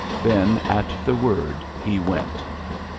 Then, at the word, he went.